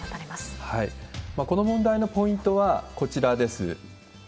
この問題のポイントは、こちらです。